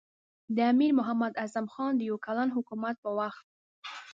د امیر محمد اعظم خان د یو کلن حکومت په وخت.